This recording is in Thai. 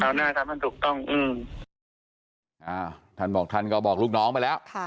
หน้าทำให้ถูกต้องอืมอ่าท่านบอกท่านก็บอกลูกน้องไปแล้วค่ะ